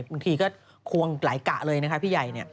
บางทีก็ควงหลายกะเลยนะคะพี่ใหญ่